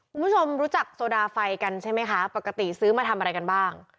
คุณผู้ชมรู้จักโซดาไฟกันใช่ไหมคะปกติซื้อมาทำอะไรกันบ้าง